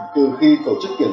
kết thúc chương trình